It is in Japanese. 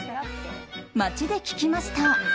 街で聞きました。